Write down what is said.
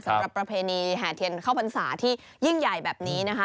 ประเพณีแห่เทียนเข้าพรรษาที่ยิ่งใหญ่แบบนี้นะคะ